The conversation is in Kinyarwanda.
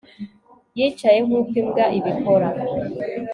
yicaye nkuko imbwa ibikora